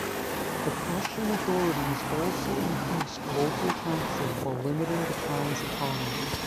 The Prussian authorities also increased local taxes while limiting the town's autonomy.